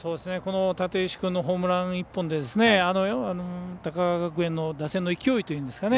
立石君のホームラン１本で高川学園の打線の勢いというんですかね